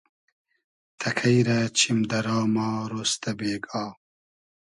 تئکݷ رۂ چیم دۂ را ما رۉز تۂ بېگا